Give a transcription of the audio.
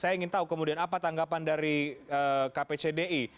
saya ingin tahu kemudian apa tanggapan dari kpcdi